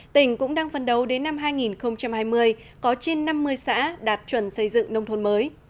tỉnh cũng đang phân đấu đến năm hai nghìn hai mươi có trên năm mươi xã đạt chuẩn xây dựng nông thôn mới